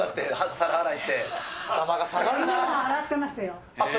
皿洗っていましたよ。